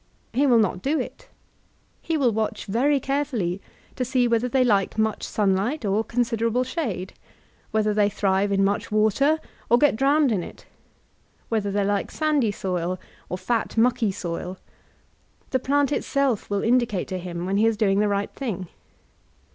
He will not do it ; he will watch very carefully to see whether they like much sunlight, or considerable ehade, whethtr the/ tbnvc on mQ^ w«tcr Qr get dnmned Modern Educational Reform 3^^ in it, whether they like sandy soil, or fat mucky soil; the plant itself will indicate to him when he is doing the right thing.